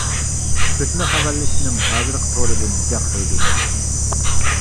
كۆچمە خەۋەرلىشىشنىڭ ھازىرقى تورىدىن جاق تويدۇم مەن.